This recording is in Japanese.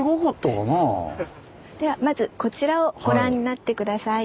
ではまずこちらをご覧になって下さい。